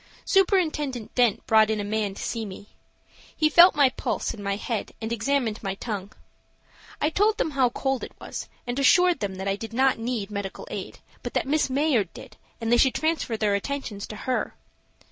Superintendent Dent brought in a man to see me. He felt my pulse and my head and examined my tongue. I told them how cold it was, and assured them that I did not need medical aid, but that Miss Mayard did, and they should transfer their attentions to her.